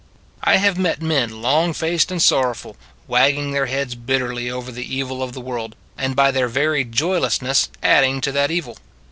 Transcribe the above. I have met men long faced and sorrow ful, wagging their heads bitterly over the evil of the world, and by their very joy lessness adding to that evil.